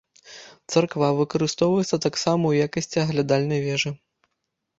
Царква выкарыстоўваецца таксама ў якасці аглядальнай вежы.